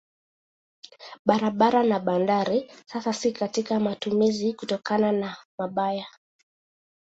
Barabara na bandari sasa si katika matumizi kutokana na mbaya.